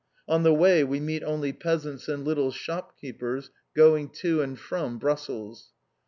On the way we meet only peasants and little shop keepers going to and from Brussels.